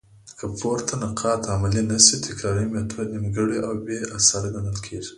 که پورته نقاط عملي نه سي؛ تکراري ميتود نيمګړي او بي اثره ګڼل کيږي.